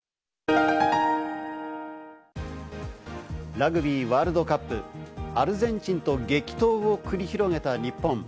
ラグビーワールドカップ、アルゼンチンと激闘を繰り広げた日本。